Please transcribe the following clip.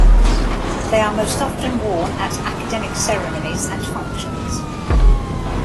They are most often worn at academic ceremonies and functions.